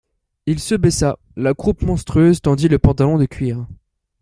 Il se baissa: la croupe monstrueuse tendit le pantalon de cuir.